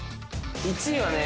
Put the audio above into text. １位はね